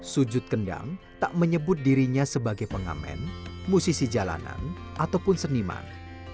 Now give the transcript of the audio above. sujud kendang tak menyebut dirinya sebagai pengamen musisi jalanan ataupun seniman